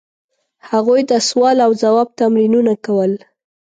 هغوی د سوال او ځواب تمرینونه کول.